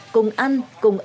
cùng ăn cùng ăn